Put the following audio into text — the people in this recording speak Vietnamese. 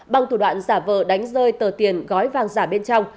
bằng thủ đoạn giả vờ đánh rơi tờ tiền gói vàng giả bên trong